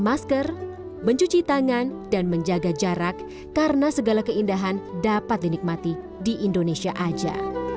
masker mencuci tangan dan menjaga jarak karena segala keindahan dapat dinikmati di indonesia aja